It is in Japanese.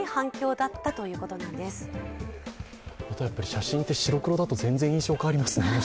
写真って、白黒だと全然印象が変わりますね。